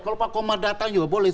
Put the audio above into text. kalau pak komar datang juga boleh